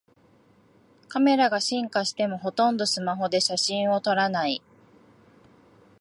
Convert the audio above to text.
カメラが進化してもほとんどスマホで写真を撮らない